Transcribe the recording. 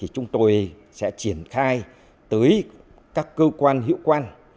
chúng tôi sẽ triển khai tới các cơ quan hiệu quan